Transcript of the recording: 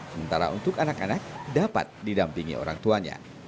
sementara untuk anak anak dapat didampingi orang tuanya